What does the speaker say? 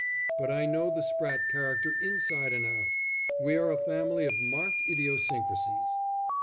But I know the Spratte character inside and out. We are a family of marked idiosyncrasies."